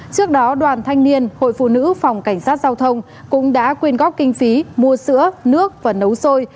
trước đó đoàn thanh niên hội phụ nữ phòng cảnh sát giao thông cũng đã quyên góp kinh phí mua sữa nước và nấu sôi